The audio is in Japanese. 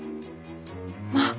まあ。